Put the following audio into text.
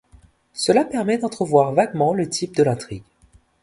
Cela permet d'entrevoir vaguement le type de l'intrigue.